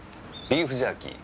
ビーフジャーキー。